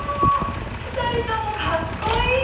２人ともかっこいい！